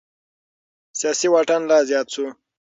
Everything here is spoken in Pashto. سياسي واټن لا زيات شو.